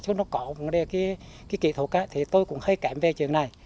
còn cái kỹ thuật thì tôi cũng hơi kém về chuyện này